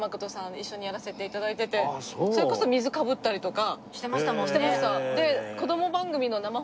一緒にやらせて頂いててそれこそ水かぶったりとかしてました。